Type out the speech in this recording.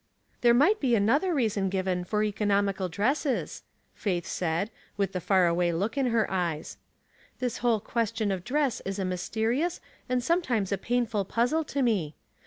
*' There might be another reason given fo^* economical dresses," Faith said, with the far away look in her eyes. " This whole question of dress is a misterious, and sometimes a painful Real or Imitation f 247 puzzle to me.